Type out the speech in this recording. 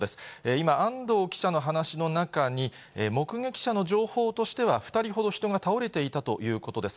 今、安藤記者の話の中に、目撃者の情報としては２人ほど人が倒れていたということです。